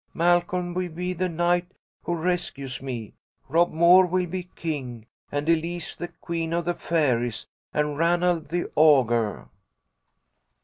Malcolm will be the knight who rescues me. Rob Moore will be king, and Elise the queen of the fairies, and Ranald the ogah."